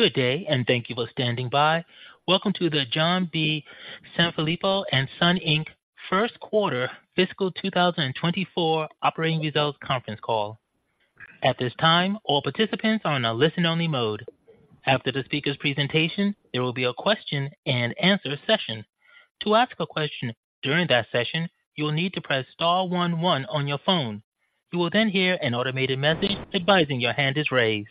Good day, and thank you for standing by. Welcome to the John B. Sanfilippo & Son, Inc. First Quarter Fiscal 2024 Operating Results Conference Call. At this time, all participants are on a listen-only mode. After the speaker's presentation, there will be a question and answer session. To ask a question during that session, you will need to press star one one on your phone. You will then hear an automated message advising your hand is raised.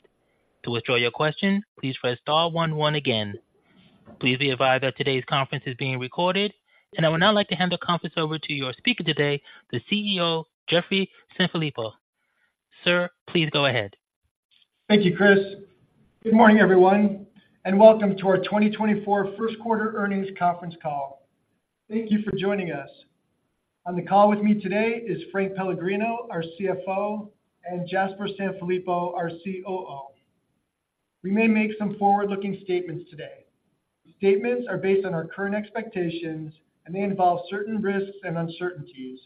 To withdraw your question, please press star one one again. Please be advised that today's conference is being recorded, and I would now like to hand the conference over to your speaker today, the CEO, Jeffrey Sanfilippo. Sir, please go ahead. Thank you, Chris. Good morning, everyone, and welcome to our 2024 First Quarter Earnings Conference Call. Thank you for joining us. On the call with me today is Frank Pellegrino, our CFO, and Jasper Sanfilippo, our COO. We may make some forward-looking statements today. The statements are based on our current expectations, and they involve certain risks and uncertainties.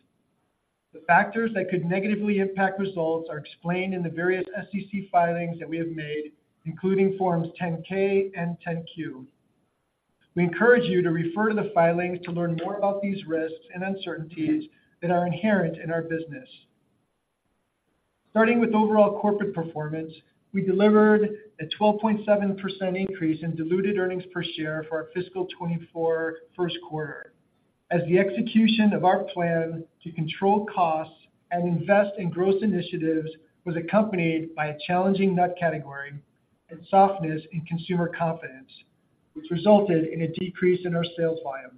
The factors that could negatively impact results are explained in the various SEC filings that we have made, including Forms 10-K and 10-Q. We encourage you to refer to the filings to learn more about these risks and uncertainties that are inherent in our business. Starting with overall corporate performance, we delivered a 12.7% increase in diluted earnings per share for our fiscal 2024 first quarter, as the execution of our plan to control costs and invest in growth initiatives was accompanied by a challenging nut category and softness in consumer confidence, which resulted in a decrease in our sales volume.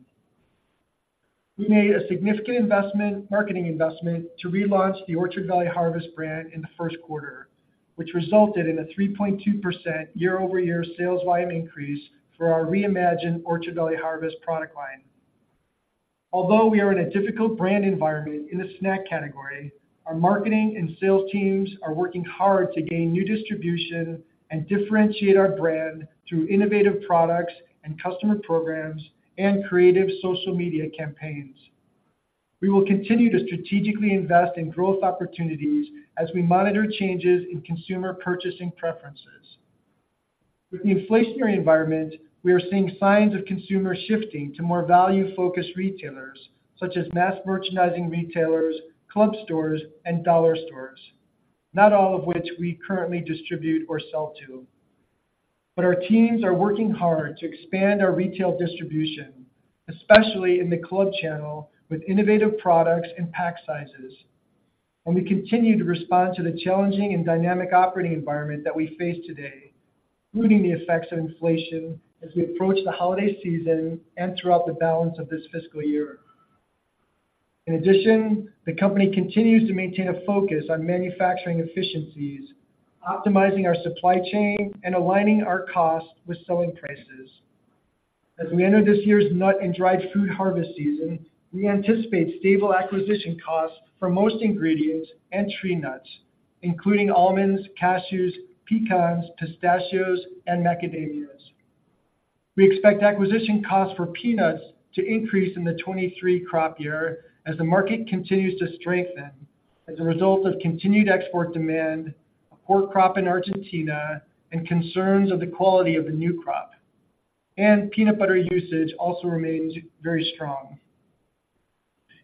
We made a significant investment, marketing investment to relaunch the Orchard Valley Harvest brand in the first quarter, which resulted in a 3.2% year-over-year sales volume increase for our reimagined Orchard Valley Harvest product line. Although we are in a difficult brand environment in the snack category, our marketing and sales teams are working hard to gain new distribution and differentiate our brand through innovative products and customer programs and creative social media campaigns. We will continue to strategically invest in growth opportunities as we monitor changes in consumer purchasing preferences. With the inflationary environment, we are seeing signs of consumers shifting to more value-focused retailers, such as mass merchandising retailers, club stores, and dollar stores, not all of which we currently distribute or sell to. Our teams are working hard to expand our retail distribution, especially in the club channel, with innovative products and pack sizes. We continue to respond to the challenging and dynamic operating environment that we face today, including the effects of inflation as we approach the holiday season and throughout the balance of this fiscal year. In addition, the company continues to maintain a focus on manufacturing efficiencies, optimizing our supply chain, and aligning our costs with selling prices. As we enter this year's nut and dried food harvest season, we anticipate stable acquisition costs for most ingredients and tree nuts, including almonds, cashews, pecans, pistachios, and macadamias. We expect acquisition costs for peanuts to increase in the 2023 crop year as the market continues to strengthen as a result of continued export demand, a poor crop in Argentina, and concerns of the quality of the new crop. Peanut butter usage also remains very strong.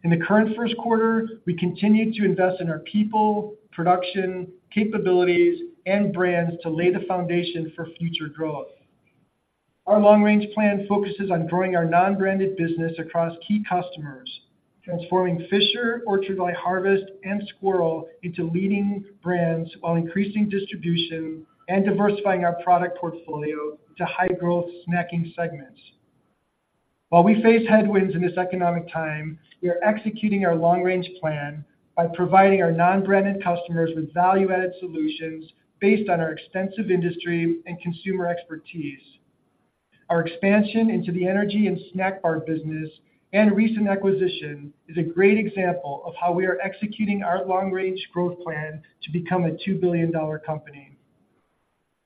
In the current first quarter, we continued to invest in our people, production, capabilities, and brands to lay the foundation for future growth. Our long-range plan focuses on growing our non-branded business across key customers, transforming Fisher, Orchard Valley Harvest, and Squirrel into leading brands, while increasing distribution and diversifying our product portfolio to high-growth snacking segments. While we face headwinds in this economic time, we are executing our long-range plan by providing our non-branded customers with value-added solutions based on our extensive industry and consumer expertise. Our expansion into the energy and snack bar business and recent acquisition is a great example of how we are executing our long-range growth plan to become a 2 billion-dollar company.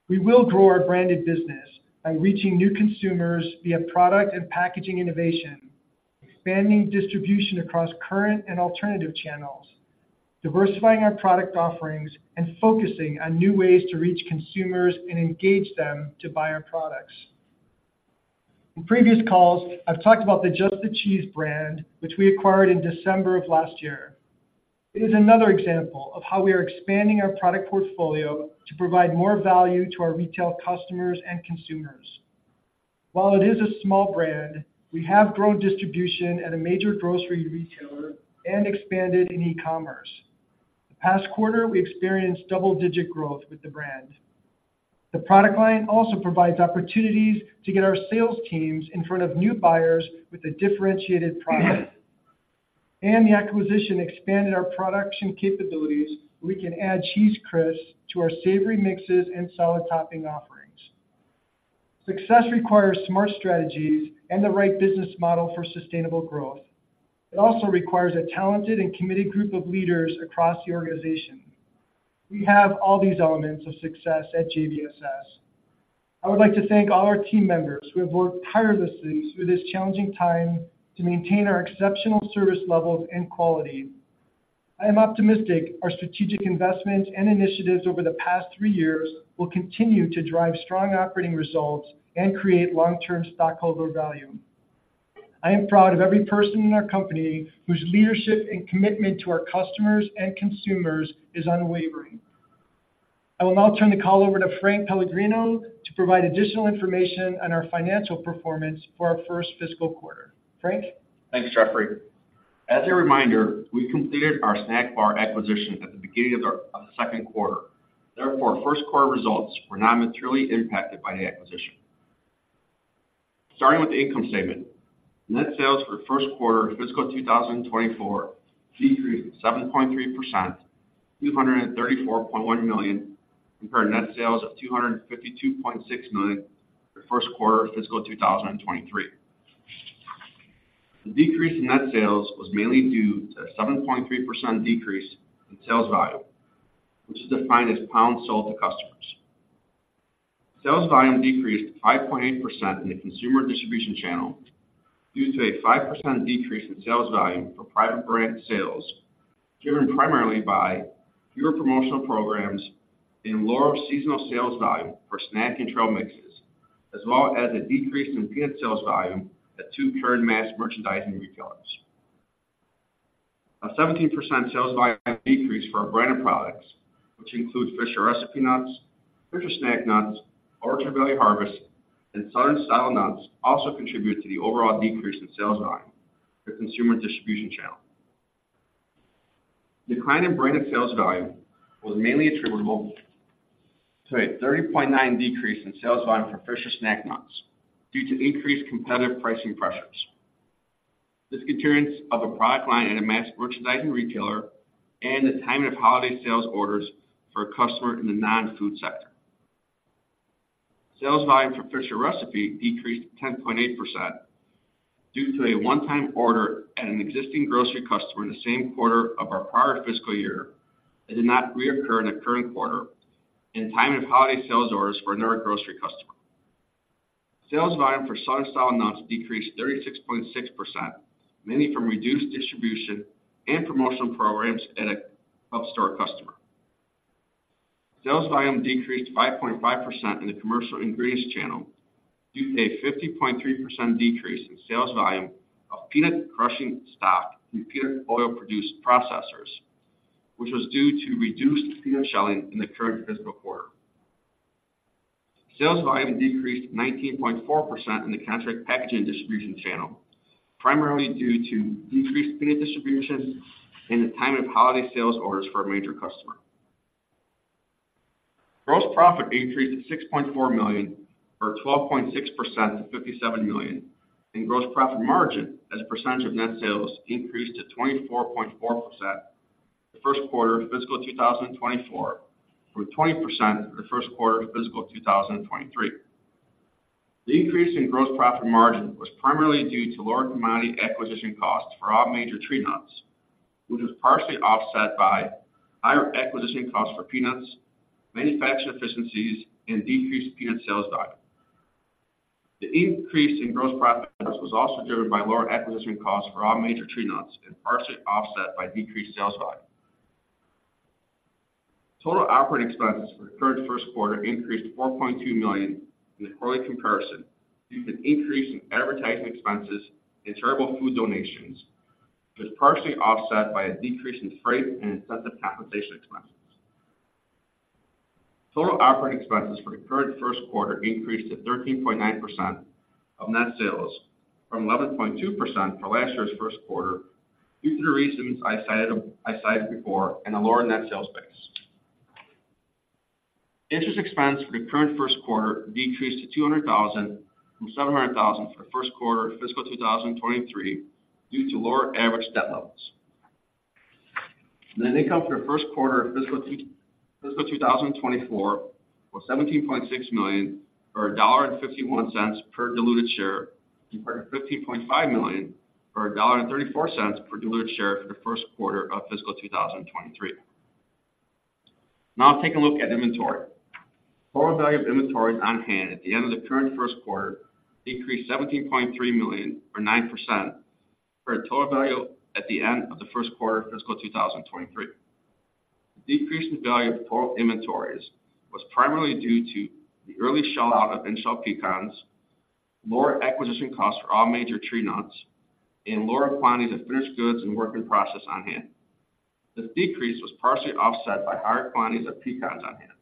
We will grow our branded business by reaching new consumers via product and packaging innovation, expanding distribution across current and alternative channels, diversifying our product offerings, and focusing on new ways to reach consumers and engage them to buy our products. In previous calls, I've talked about the Just The Cheese brand, which we acquired in December of last year. It is another example of how we are expanding our product portfolio to provide more value to our retail customers and consumers. While it is a small brand, we have grown distribution at a major grocery retailer and expanded in e-commerce. The past quarter, we experienced double-digit growth with the brand. The product line also provides opportunities to get our sales teams in front of new buyers with a differentiated product. The acquisition expanded our production capabilities. We can add cheese crisps to our savory mixes and salad topping offerings. Success requires smart strategies and the right business model for sustainable growth. It also requires a talented and committed group of leaders across the organization. We have all these elements of success at JBSS. I would like to thank all our team members who have worked tirelessly through this challenging time to maintain our exceptional service levels and quality. I am optimistic our strategic investments and initiatives over the past three years will continue to drive strong operating results and create long-term stockholder value. I am proud of every person in our company whose leadership and commitment to our customers and consumers is unwavering. I will now turn the call over to Frank Pellegrino to provide additional information on our financial performance for our first fiscal quarter. Frank? Thanks, Jeffrey. As a reminder, we completed our Snack Bar acquisition at the beginning of the second quarter. Therefore, our first quarter results were not materially impacted by the acquisition. Starting with the income statement, net sales for the first quarter of fiscal 2024 decreased 7.3%, $234.1 million, compared to net sales of $252.6 million for the first quarter of fiscal 2023. The decrease in net sales was mainly due to a 7.3% decrease in sales volume, which is defined as pounds sold to customers. Sales volume decreased 5.8% in the consumer distribution channel due to a 5% decrease in sales volume for private brand sales, driven primarily by fewer promotional programs and lower seasonal sales volume for snack and trail mixes, as well as a decrease in peanut sales volume at two current mass merchandising retailers. A 17% sales volume decrease for our branded products, which includes Fisher Recipe Nuts, Fisher Snack Nuts, Orchard Valley Harvest, and Southern Style Nuts, also contributed to the overall decrease in sales volume for consumer distribution channel. Decline in branded sales volume was mainly attributable to a 30.9 decrease in sales volume for Fisher Snack Nuts due to increased competitive pricing pressures. Discontinuance of a product line at a mass merchandising retailer and the timing of holiday sales orders for a customer in the non-food sector. Sales volume for Fisher Recipe decreased 10.8% due to a one-time order at an existing grocery customer in the same quarter of our prior fiscal year, that did not reoccur in the current quarter, and timing of holiday sales orders for another grocery customer. Sales volume for Southern Style Nuts decreased 36.6%, mainly from reduced distribution and promotional programs at a club store customer. Sales volume decreased 5.5% in the commercial ingredients channel due to a 50.3% decrease in sales volume of peanut crushing stock and peanut oil-produced processors, which was due to reduced peanut shelling in the current fiscal quarter. Sales volume decreased 19.4% in the contract packaging distribution channel, primarily due to decreased peanut distribution and the timing of holiday sales orders for a major customer. Gross profit increased to $6.4 million, or 12.6% to $57 million, and gross profit margin as a percentage of net sales increased to 24.4% the first quarter of fiscal 2024, from 20% for the first quarter of fiscal 2023. The increase in gross profit margin was primarily due to lower commodity acquisition costs for all major tree nuts, which was partially offset by higher acquisition costs for peanuts, manufacturing efficiencies, and decreased peanut sales volume. The increase in gross profit was also driven by lower acquisition costs for all major tree nuts and partially offset by decreased sales volume. Total operating expenses for the current first quarter increased to $4.2 million in the quarterly comparison, due to an increase in advertising expenses and charitable food donations, which was partially offset by a decrease in freight and incentive compensation expenses. Total operating expenses for the current first quarter increased to 13.9% of net sales, from 11.2% for last year's first quarter, due to the reasons I cited, I cited before and a lower net sales base. Interest expense for the current first quarter decreased to $200,000 from $700,000 for the first quarter of fiscal 2023, due to lower average debt levels. Net income for the first quarter of fiscal 2024 was $17.6 million, or $1.51 per diluted share, compared to $15.5 million or $1.34 per diluted share for the first quarter of fiscal 2023. Now take a look at inventory. Total value of inventories on hand at the end of the current first quarter decreased $17.3 million or 9% for a total value at the end of the first quarter of fiscal 2023. The decrease in the value of total inventories was primarily due to the early shell out of inshell pecans, lower acquisition costs for all major tree nuts, and lower quantities of finished goods and work in process on hand. This decrease was partially offset by higher quantities of pecans on hand.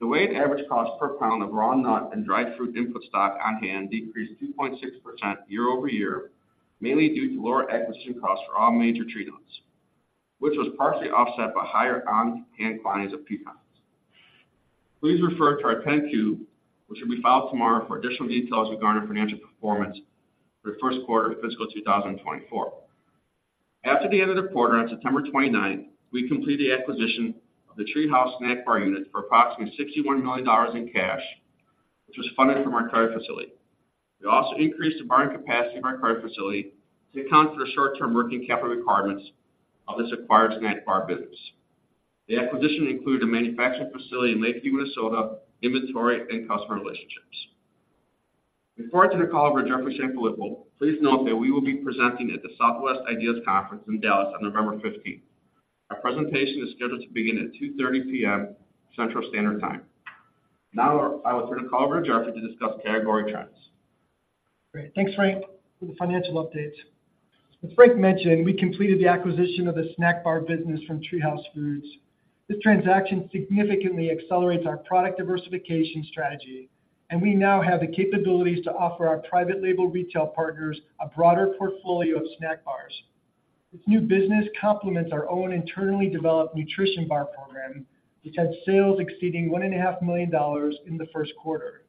The weighted average cost per pound of raw nut and dried fruit input stock on hand decreased 2.6% year-over-year, mainly due to lower acquisition costs for all major tree nuts, which was partially offset by higher on-hand quantities of pecans. Please refer to our 10-Q, which will be filed tomorrow for additional details regarding our financial performance for the first quarter of fiscal 2024. After the end of the quarter on September 29th, we completed the acquisition of the TreeHouse Snack Bar unit for approximately $61 million in cash, which was funded from our current facility. We also increased the borrowing capacity of our current facility to account for the short-term working capital requirements of this acquired snack bar business. The acquisition included a manufacturing facility in Lakeville, Minnesota, inventory, and customer relationships.... Before I turn the call over to Jeffrey Sanfilippo, please note that we will be presenting at the Southwest IDEAS Conference in Dallas on November fifteenth. Our presentation is scheduled to begin at 2:30 P.M., Central Standard Time. Now, I will turn the call over to Jeffrey to discuss category trends. Great. Thanks, Frank, for the financial update. As Frank mentioned, we completed the acquisition of the Snack Bar business from TreeHouse Foods. This transaction significantly accelerates our product diversification strategy, and we now have the capabilities to offer our private label retail partners a broader portfolio of snack bars. This new business complements our own internally developed nutrition bar program, which had sales exceeding $1.5 million in the first quarter.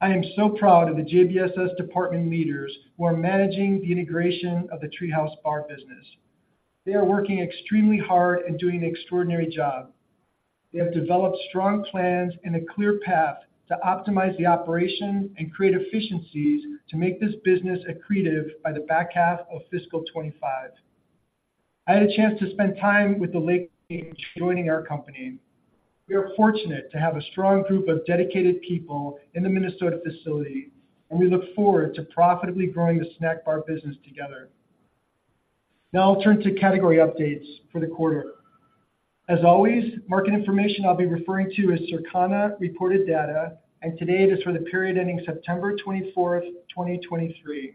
I am so proud of the JBSS department leaders who are managing the integration of the TreeHouse Bar business. They are working extremely hard and doing an extraordinary job. They have developed strong plans and a clear path to optimize the operation and create efficiencies to make this business accretive by the back half of fiscal 2025. I had a chance to spend time with the Lakeville joining our company. We are fortunate to have a strong group of dedicated people in the Minnesota facility, and we look forward to profitably growing the snack bar business together. Now I'll turn to category updates for the quarter. As always, market information I'll be referring to is Circana reported data, and today it is for the period ending September 24, 2023.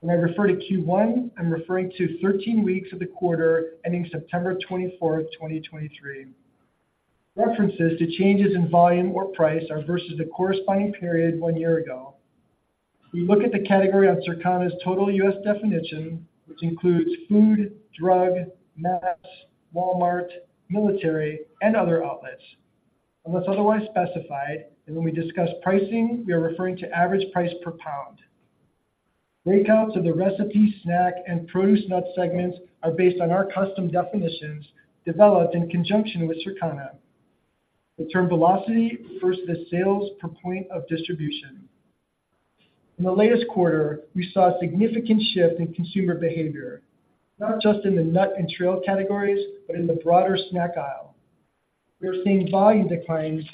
When I refer to Q1, I'm referring to 13 weeks of the quarter, ending September 24, 2023. References to changes in volume or price are versus the corresponding period one year ago. We look at the category on Circana's total U.S. definition, which includes food, drug, mass, Walmart, military, and other outlets. Unless otherwise specified, and when we discuss pricing, we are referring to average price per pound. Breakouts of the recipe, snack, and produce nut segments are based on our custom definitions developed in conjunction with Circana. The term velocity refers to sales per point of distribution. In the latest quarter, we saw a significant shift in consumer behavior, not just in the nut and trail categories, but in the broader snack aisle. We are seeing volume declines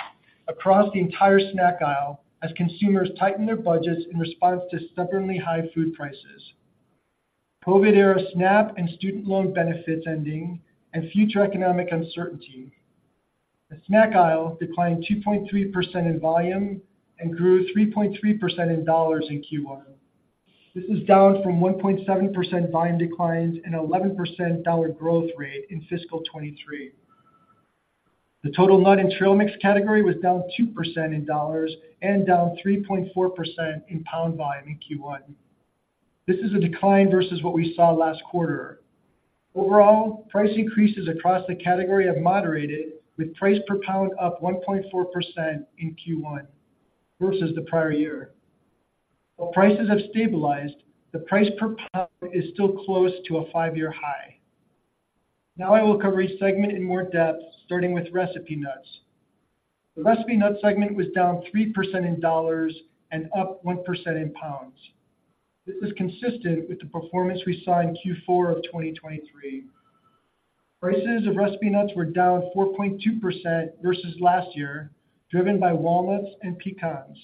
across the entire snack aisle as consumers tighten their budgets in response to stubbornly high food prices, COVID-era SNAP and student loan benefits ending and future economic uncertainty. The snack aisle declined 2.3% in volume and grew 3.3% in dollars in Q1. This is down from 1.7% volume declines and 11% dollar growth rate in fiscal 2023. The total nut and trail mix category was down 2% in dollars and down 3.4% in pound volume in Q1. This is a decline versus what we saw last quarter. Overall, price increases across the category have moderated, with price per pound up 1.4% in Q1 versus the prior year. While prices have stabilized, the price per pound is still close to a five-year high. Now I will cover each segment in more depth, starting with recipe nuts. The recipe nut segment was down 3% in dollars and up 1% in pounds. This is consistent with the performance we saw in Q4 of 2023. Prices of recipe nuts were down 4.2% versus last year, driven by walnuts and pecans.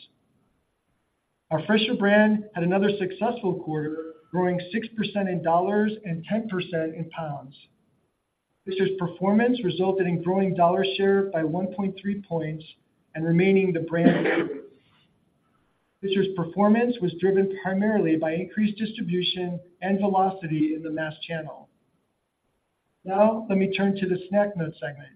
Our Fisher brand had another successful quarter, growing 6% in dollars and 10% in pounds. Fisher's performance resulted in growing dollar share by 1.3 points and remaining the brand. Fisher's performance was driven primarily by increased distribution and velocity in the mass channel. Now, let me turn to the snack nut segment.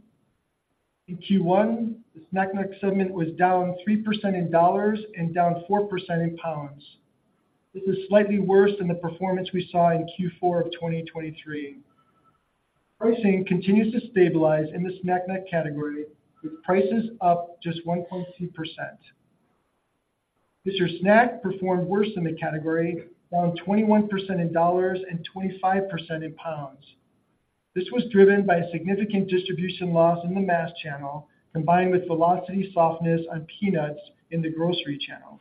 In Q1, the snack nut segment was down 3% in dollars and down 4% in pounds. This is slightly worse than the performance we saw in Q4 of 2023. Pricing continues to stabilize in the snack nut category, with prices up just 1.2%. Fisher's Snack performed worse than the category, down 21% in dollars and 25% in pounds. This was driven by a significant distribution loss in the mass channel, combined with velocity softness on peanuts in the grocery channel.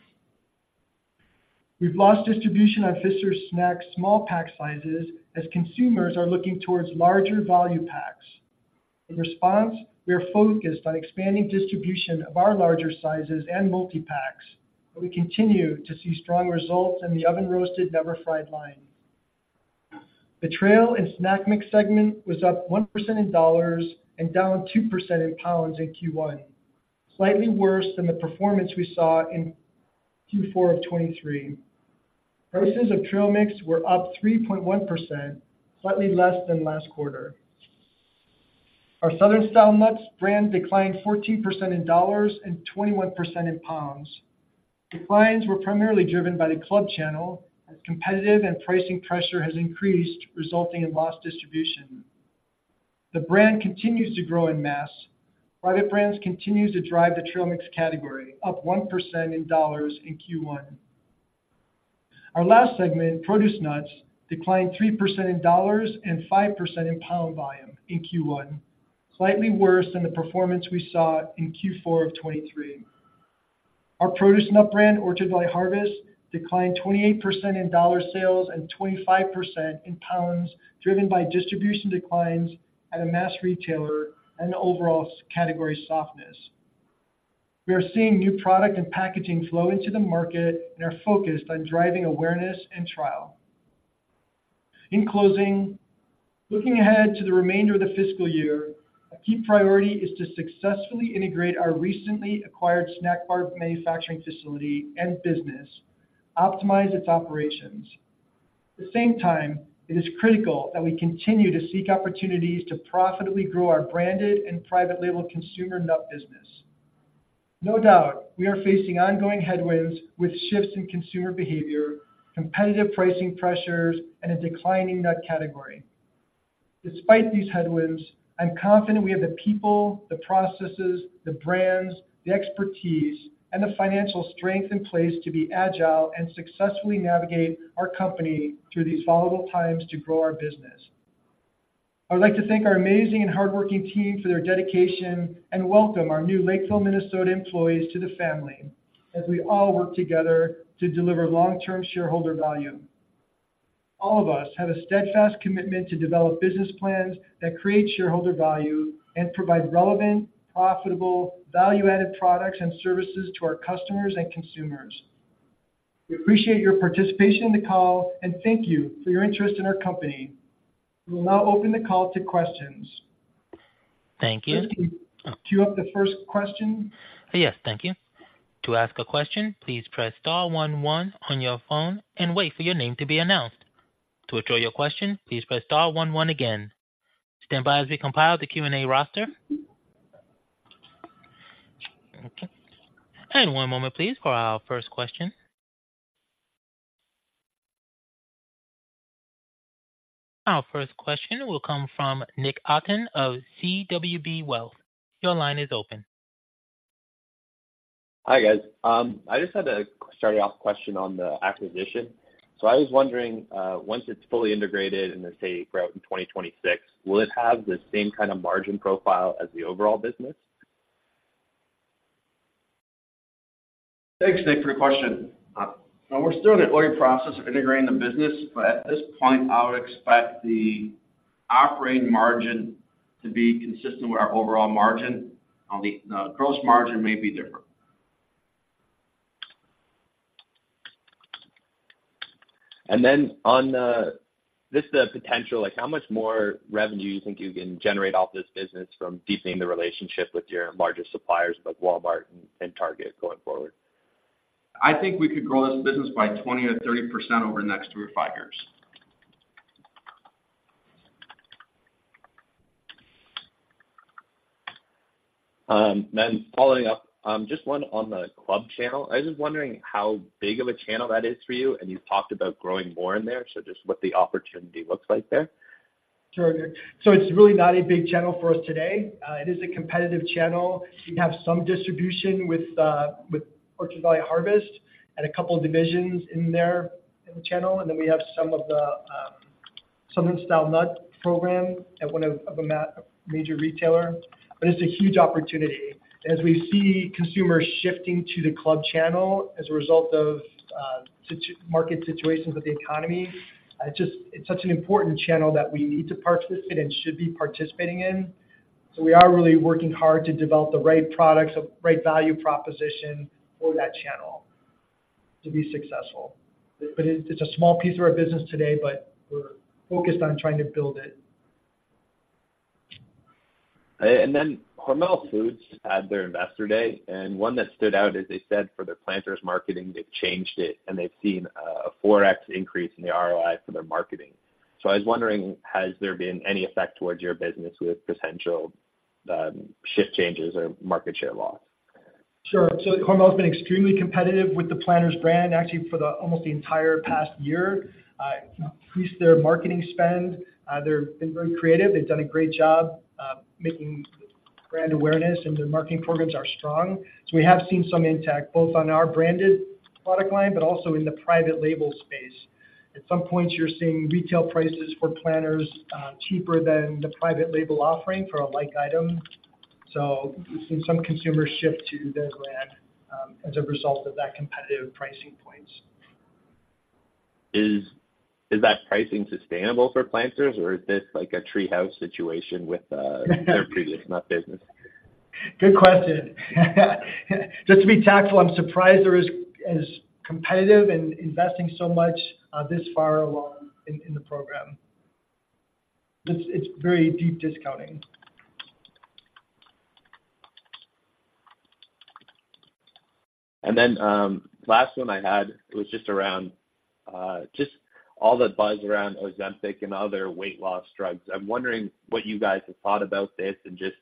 We've lost distribution on Fisher's Snack small pack sizes as consumers are looking towards larger volume packs. In response, we are focused on expanding distribution of our larger sizes and multi-packs, but we continue to see strong results in the Oven Roasted Never Fried line. The trail and snack mix segment was up 1% in dollars and down 2% in pounds in Q1, slightly worse than the performance we saw in Q4 of 2023. Prices of trail mix were up 3.1%, slightly less than last quarter. Our Southern Style Nuts brand declined 14% in dollars and 21% in pounds. Declines were primarily driven by the club channel, as competitive and pricing pressure has increased, resulting in lost distribution. The brand continues to grow in mass. Private brands continue to drive the trail mix category, up 1% in dollars in Q1. Our last segment, produce nuts, declined 3% in dollars and 5% in pound volume in Q1, slightly worse than the performance we saw in Q4 of 2023. Our produce nut brand, Orchard Valley Harvest-... declined 28% in dollar sales and 25% in pounds, driven by distribution declines at a mass retailer and overall category softness. We are seeing new product and packaging flow into the market and are focused on driving awareness and trial. In closing, looking ahead to the remainder of the fiscal year, a key priority is to successfully integrate our recently acquired snack bar manufacturing facility and business, optimize its operations. At the same time, it is critical that we continue to seek opportunities to profitably grow our branded and private label consumer nut business. No doubt, we are facing ongoing headwinds with shifts in consumer behavior, competitive pricing pressures, and a declining nut category. Despite these headwinds, I'm confident we have the people, the processes, the brands, the expertise, and the financial strength in place to be agile and successfully navigate our company through these volatile times to grow our business. I would like to thank our amazing and hardworking team for their dedication, and welcome our new Lakeville, Minnesota, employees to the family as we all work together to deliver long-term shareholder value. All of us have a steadfast commitment to develop business plans that create shareholder value and provide relevant, profitable, value-added products and services to our customers and consumers. We appreciate your participation in the call, and thank you for your interest in our company. We will now open the call to questions. Thank you. Queue up the first question. Yes, thank you. To ask a question, please press star one one on your phone and wait for your name to be announced. To withdraw your question, please press star one one again. Stand by as we compile the Q&A roster. Okay, and one moment, please, for our first question. Our first question will come from Nick Otton of CWB Wealth. Your line is open. Hi, guys. I just had a starting off question on the acquisition. I was wondering, once it's fully integrated and then, say, throughout in 2026, will it have the same kind of margin profile as the overall business? Thanks, Nick, for your question. We're still in the early process of integrating the business, but at this point, I would expect the operating margin to be consistent with our overall margin. On the gross margin may be different. And then, on just the potential, like, how much more revenue you think you can generate off this business from deepening the relationship with your largest suppliers, like Walmart and Target, going forward? I think we could grow this business by 20%-30% over the next two to five years. Then following up, just one on the club channel. I was just wondering how big of a channel that is for you, and you've talked about growing more in there, so just what the opportunity looks like there. Sure. So it's really not a big channel for us today. It is a competitive channel. We have some distribution with, with Orchard Valley Harvest and a couple of divisions in there in the channel. And then we have some of the, Southern Style Nuts program at one of the major retailer. But it's a huge opportunity. As we see consumers shifting to the club channel as a result of, market situations with the economy, it's just, it's such an important channel that we need to participate in, should be participating in. So we are really working hard to develop the right products, the right value proposition for that channel to be successful. But it's, it's a small piece of our business today, but we're focused on trying to build it. And then Hormel Foods had their investor day, and one that stood out is they said for their Planters marketing, they've changed it, and they've seen a 4x increase in the ROI for their marketing. So I was wondering, has there been any effect towards your business with potential shift changes or market share loss? Sure. So Hormel has been extremely competitive with the Planters brand, actually, for almost the entire past year. Increased their marketing spend. They've been very creative. They've done a great job making brand awareness, and their marketing programs are strong. So we have seen some impact, both on our branded product line, but also in the private label space. At some point, you're seeing retail prices for Planters cheaper than the private label offering for a like item. So we've seen some consumers shift to their brand as a result of that competitive pricing points. Is that pricing sustainable for Planters, or is this like a TreeHouse situation with their previous nut business? Good question. Just to be tactful, I'm surprised they're as competitive and investing so much this far along in the program. It's very deep discounting. And then, last one I had was just around, just all the buzz around Ozempic and other weight loss drugs. I'm wondering what you guys have thought about this and just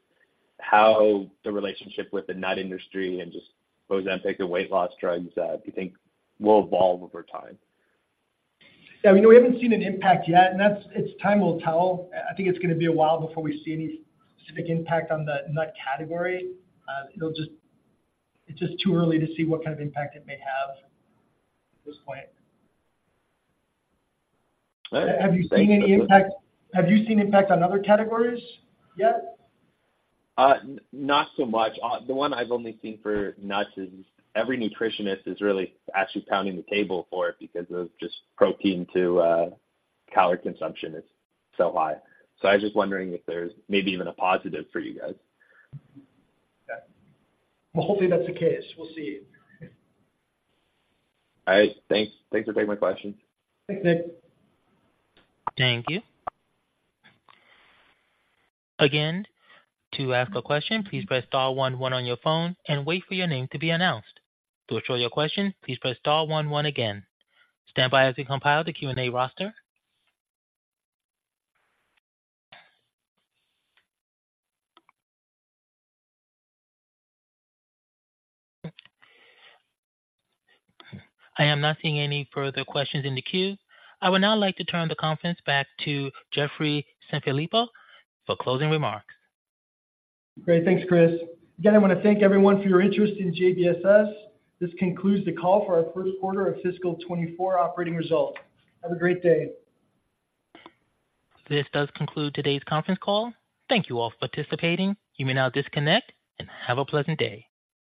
how the relationship with the nut industry and just Ozempic and weight loss drugs, you think will evolve over time? Yeah, we know we haven't seen an impact yet, and that's it. Time will tell. I think it's going to be a while before we see any specific impact on the nut category. It's just too early to see what kind of impact it may have at this point. Thank you- Have you seen impact on other categories yet? Not so much. The one I've only seen for nuts is every nutritionist is really actually pounding the table for it because of just protein to calorie consumption is so high. So I was just wondering if there's maybe even a positive for you guys. Well, hopefully, that's the case. We'll see. All right. Thanks, thanks for taking my questions. Thanks, Nick. Thank you. Again, to ask a question, please press star one one on your phone and wait for your name to be announced. To withdraw your question, please press star one one again. Stand by as we compile the Q&A roster. I am not seeing any further questions in the queue. I would now like to turn the conference back to Jeffrey Sanfilippo for closing remarks. Great. Thanks, Chris. Again, I want to thank everyone for your interest in JBSS. This concludes the call for our first quarter of fiscal 2024 operating results. Have a great day. This does conclude today's conference call. Thank you all for participating. You may now disconnect and have a pleasant day.